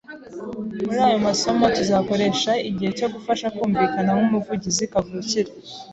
Muri aya masomo, tuzakoresha igihe cyo kugufasha kumvikana nkumuvugizi kavukire.